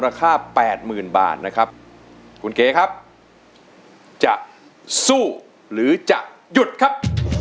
ค่าแปดหมื่นบาทนะครับคุณเก๋ครับจะสู้หรือจะหยุดครับ